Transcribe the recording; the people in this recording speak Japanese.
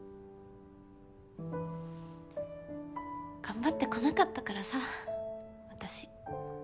頑張ってこなかったからさ私。